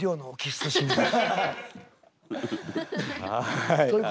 はい。